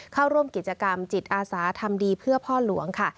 เข้าร่วมกิจกรรมจิตอาสาทำดีเพื่อพ่อหลวงค่ะ